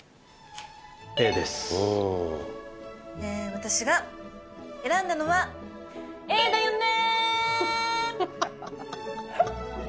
私が選んだのはＡだよね！